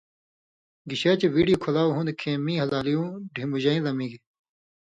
گِشے چےۡ وِڈیو کُھلاؤ ہُون٘د کِھیں مِیں ہَلالِیوں ڈِھمبژیں لَمِگے،